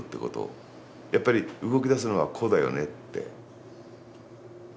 やっぱり動きだすのは「個」だよねって。